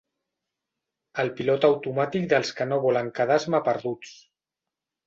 El pilot automàtic dels que no volen quedar esmaperduts.